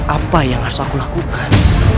apa yang harus aku lakukan